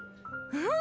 うん！